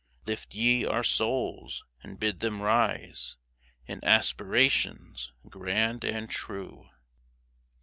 Lift ye our souls, and bid them rise In aspirations grand and true